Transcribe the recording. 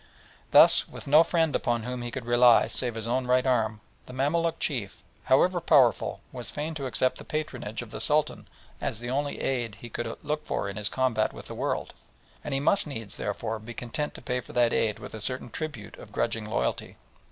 Thus, with no friend upon whom he could rely save his own right arm, the Mamaluk chief, however powerful, was fain to accept the patronage of the Sultan as the only aid he could look for in his combat with the world, and he must needs, therefore, be content to pay for that aid with a certain tribute of grudging loyalty.